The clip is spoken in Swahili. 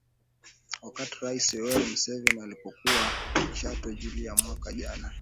Wakati Raisi Yoweri Museveni alipokuwa Chato Julai mwaka jana